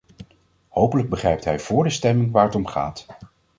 Hopelijk begrijpt hij vóór de stemming waar het om gaat.